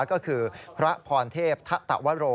ก็คือพระพรเทพทะตวโร